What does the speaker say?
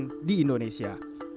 perpajakan di indonesia